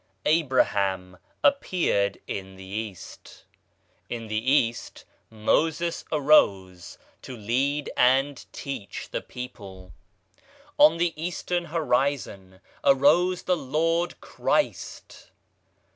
Abraham appeared in the East. In the East Moses arose to lead and teach the people. On the Eastern horizon arose the Lord Christ.